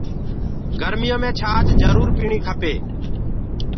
گرميو مي ڇآچ جرور پيٚڻي کپي۔